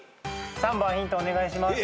３番ヒントお願いします。